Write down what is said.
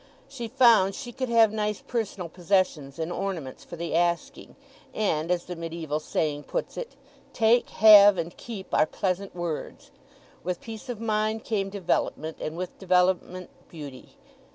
She found she could have nice personal possessions and ornaments for the asking, and, as the mediæval saying puts it, "Take, have, and keep, are pleasant words." With peace of mind came development, and with development beauty.